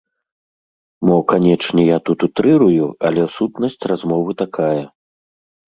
Мо, канечне, я тут утрырую, але сутнасць размовы такая.